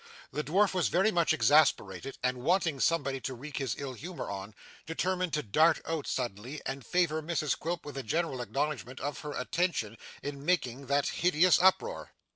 The dwarf was very much exasperated, and wanting somebody to wreak his ill humour upon, determined to dart out suddenly, and favour Mrs Quilp with a gentle acknowledgment of her attention in making that hideous uproar.